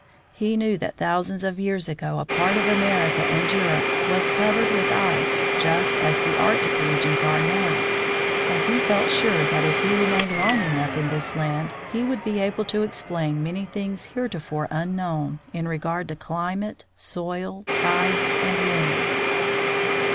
He knew that thousands of years ago a part of America and Europe was covered with ice just as the Arctic regions now are, and he felt sure that if he remained long enough in this land he would be able to explain many things heretofore unknown, in regard to climate, soil, tides, and winds.